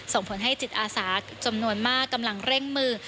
ส่งผลให้จิตอาสาจำนวนมากกำลังเร่งมือ